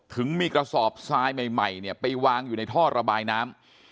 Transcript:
ถึงมีกระสอบทรายใหม่เนี่ยไปวางอยู่ในท่อระบายน้ำ